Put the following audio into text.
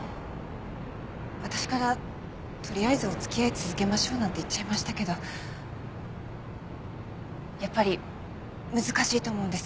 私から取りあえずお付き合い続けましょうなんて言っちゃいましたけどやっぱり難しいと思うんです。